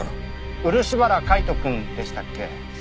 漆原海斗くんでしたっけ。